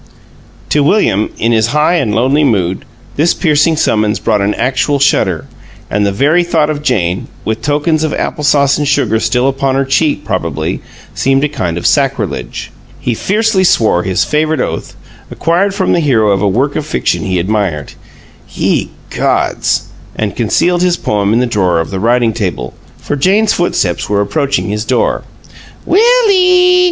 To William, in his high and lonely mood, this piercing summons brought an actual shudder, and the very thought of Jane (with tokens of apple sauce and sugar still upon her cheek, probably) seemed a kind of sacrilege. He fiercely swore his favorite oath, acquired from the hero of a work of fiction he admired, "Ye gods!" and concealed his poem in the drawer of the writing table, for Jane's footsteps were approaching his door. "Will ee!